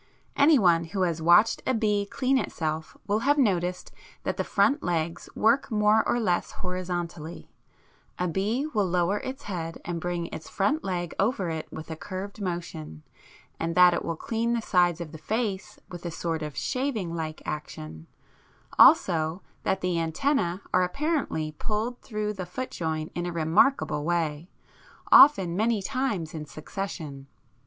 Any one who has watched a bee clean itself will have noticed that the front legs work more or less horizontally a bee will lower its head and bring its front leg over it with a curved motion and that it will clean the sides of the face with a sort of shaving like action, also that the antennæ are apparently pulled through the foot joint in a remarkable way, often many times in succession.